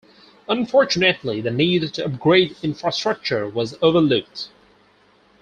Unfortunately, the need to upgrade infrastructure was overlooked.